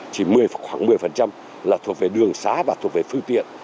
chỉ khoảng một mươi là thuộc về đường xá và thuộc về phương tiện